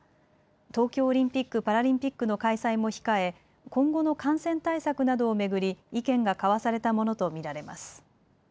東京オリンピック・パラリンピックの開催も控え今後の感染対策などを巡り意見が交わされたものと見られます。